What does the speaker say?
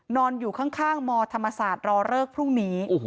นอนอยู่ข้างมธรรมศาสตร์รอเลิกพรุ่งนี้